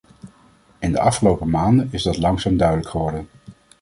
In de afgelopen maanden is dat langzaam duidelijk geworden.